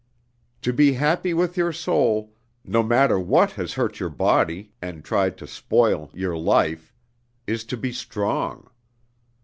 _ To be happy with your soul, no matter what has hurt your body and tried to spoil your life, is to be strong.